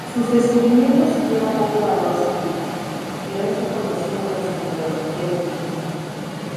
Sus descubrimientos tuvieron poco valor científico, pero es reconocido por su metodología empírica.